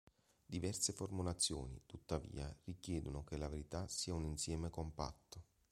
Diverse formulazioni, tuttavia, richiedono che la varietà sia un insieme compatto.